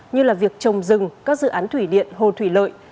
như là việc trồng rừng các dự án thủy điện hồ thủy lợi